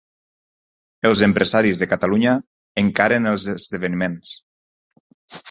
Els empresaris de Catalunya encaren els esdeveniments.